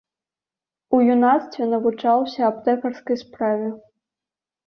У юнацтве навучаўся аптэкарскай справе.